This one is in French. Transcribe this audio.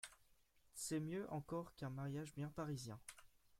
C'est mieux encore qu'un mariage bien parisien.